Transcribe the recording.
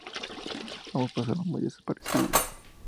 Ambos pasaron muy desapercibidos.